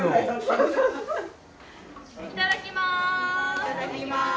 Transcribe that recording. いただきます！